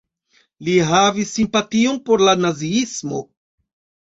Li havis simpation por la naziismo.